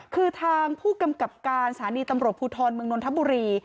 คือทางผู้กำกับการสถานีตำรวจภูทรเมืองนนทบุรี